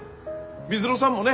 水野さんもね